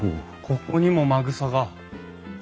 ここにもまぐさが。